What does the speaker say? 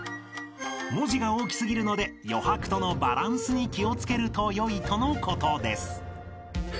［文字が大きすぎるので余白とのバランスに気をつけるとよいとのことです］